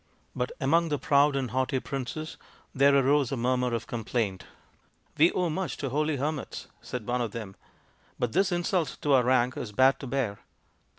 But among the proud and haughty princes there arose a murmur of complaint. " We owe much to holy hermits," said one of them, " but this insult to our rank is bad to bear.